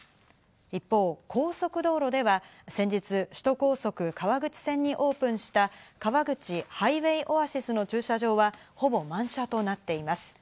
一方、高速道路では先日、首都高速川口線にオープンした川口ハイウェイオアシスの駐車場はほぼ満車となっています。